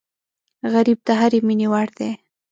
غریب د هرې مینې وړ دی